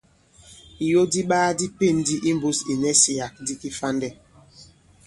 Ìyo di iɓaa di pěn ndi i mbūs ì ìnɛsyàk di kifandɛ.